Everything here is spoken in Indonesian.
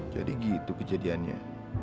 jadi gitu kejadiannya